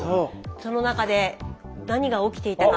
その中で何が起きていたか。